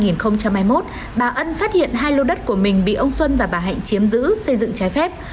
năm hai nghìn hai mươi một bà ân phát hiện hai lô đất của mình bị ông xuân và bà hạnh chiếm giữ xây dựng trái phép